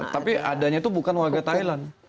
tapi adanya itu bukan warga thailand